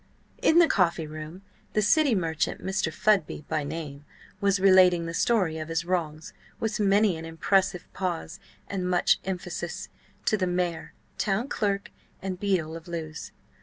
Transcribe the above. In the coffee room the city merchant, Mr. Fudby by name, was relating the story of his wrongs, with many an impressive pause, and much emphasis, to the mayor, town clerk, and beadle of Lewes.